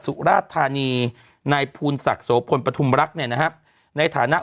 สุราษฎร์ธานีนายภูนิษฐกษ์สวพลประธุมรักษณ์เนี่ยนะครับในฐานะ